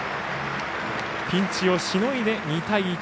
ピンチをしのいで２対１。